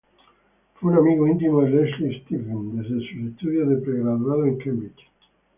Fue un amigo íntimo de Leslie Stephen desde sus estudios de pre-graduado en Cambridge.